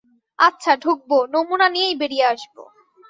আচ্ছা, ঢুকবো, নমুনা নিয়েই বেরিয়ে আসবো।